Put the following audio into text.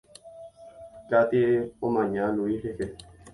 Katie omaña Luis rehe.